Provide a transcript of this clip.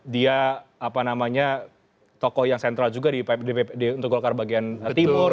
dia apa namanya tokoh yang sentral juga di untuk golkar bagian timur